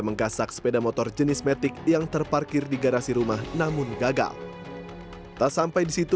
menggasak sepeda motor jenis matic yang terparkir di garasi rumah namun gagal tak sampai di situ